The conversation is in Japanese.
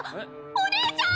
お姉ちゃん！